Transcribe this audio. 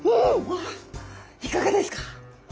わあいかがですか？